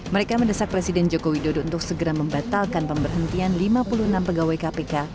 mereka mendesak presiden joko widodo untuk segera membatalkan pemberhentian lima puluh enam pegawai kpk